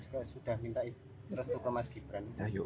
sudah minta tersebut ke mas kipran